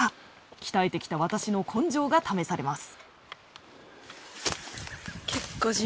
鍛えてきた私の根性が試されます。